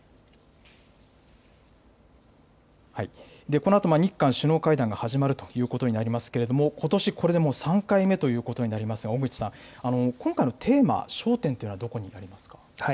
このあと、日韓首脳会談が始まるということになりますけれども、ことし、これでもう３回目ということになりますが、小口さん、今回のテーマ、焦点というのはどこになりますか。